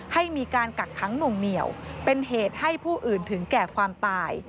ให้มีการกักขังหน่วงเหนียวเป็นเหตุให้ผู้อื่นถึงแก่ความตาย